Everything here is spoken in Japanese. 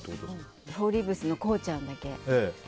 フォーリーブスのこうちゃんだけ。